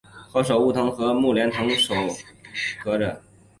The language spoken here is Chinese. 何首乌藤和木莲藤缠络着